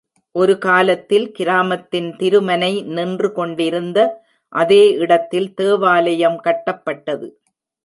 ஒரு காலத்தில் கிராமத்தின் திருமனை நின்று கொண்டிருந்த அதே இடத்தில் தேவாலயம் கட்டப்பட்டது.